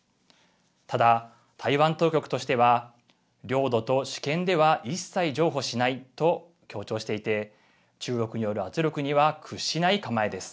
ただ、台湾当局としては領土と主権では一切、譲歩しないと強調していて中国による圧力には屈しない構えです。